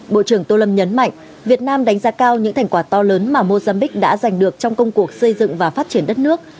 bộ trưởng tô lâm nhấn mạnh việt nam đánh giá cao những thành quả to lớn mà mozambiqu đã giành được trong công cuộc xây dựng và phát triển đất nước